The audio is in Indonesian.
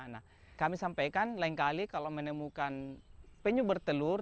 nah kami sampaikan lain kali kalau menemukan penyu bertelur